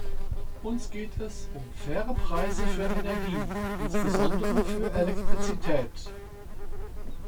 Uns geht es um faire Preise für Energie, insbesondere für Elektrizität.